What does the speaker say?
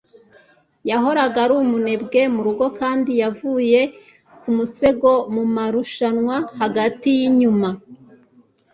Yahoraga ari umunebwe murugo kandi yavuye kumusego mumarushanwa hagati yinyuma